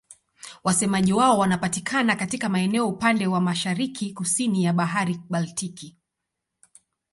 Wasemaji wao wanapatikana katika maeneo upande wa mashariki-kusini ya Bahari Baltiki.